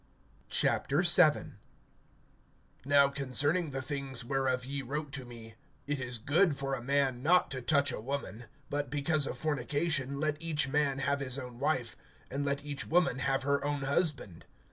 VII. NOW concerning the things whereof ye wrote to me: It is good for a man not to touch a woman; (2)but because of fornication, let each man have his own wife, and let each woman have her own husband.